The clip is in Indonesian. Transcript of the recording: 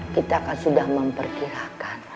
kita kan sudah memperkirakan